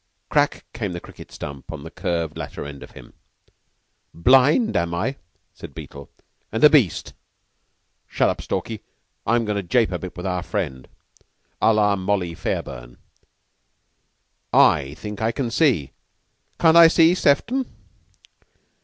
Crack came the cricket stump on the curved latter end of him. "Blind, am I," said Beetle, "and a beast? Shut up, Stalky. I'm goin' to jape a bit with our friend, à la 'Molly' Fairburn. I think I can see. Can't I see, Sefton?"